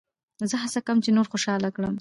زه هڅه کوم، چي نور خوشحاله کړم.